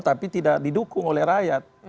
tapi tidak didukung oleh rakyat